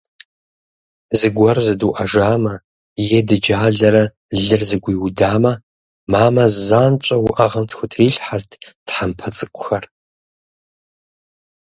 Зыгуэру зыдуӏэжамэ е дыджалэрэ лыр зэгуиудамэ, мамэ занщӏэу уӏэгъэм тхутрилъхьэрт тхьэмпэ цӏыкӏухэр.